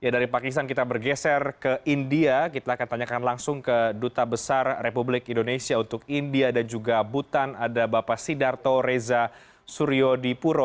dari pakistan kita bergeser ke india kita akan tanyakan langsung ke duta besar republik indonesia untuk india dan juga butan ada bapak sidarto reza suryo dipuro